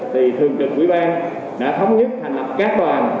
thì thường trực quỹ ban đã thống nhất hành lập các bàn